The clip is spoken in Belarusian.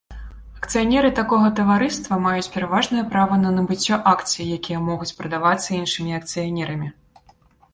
Акцыянеры такога таварыства маюць пераважнае права на набыццё акцый, якія могуць прадавацца іншымі акцыянерамі.